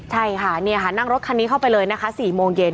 ใช่ค่ะนั่งรถคันนี้เข้าไปเลยนะคะ๔โมงเย็น